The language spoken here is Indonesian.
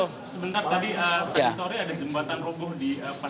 sebentar tadi tadi sorry ada jembatan roboh di pasok